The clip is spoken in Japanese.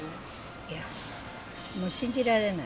いや、信じられない。